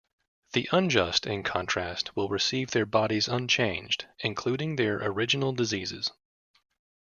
The unjust, in contrast, will receive their bodies unchanged, including their original diseases.